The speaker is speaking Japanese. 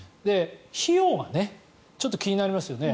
費用がちょっと気になりますよね。